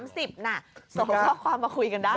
ส่งข้อความมาคุยกันได้มั้ยค่ะ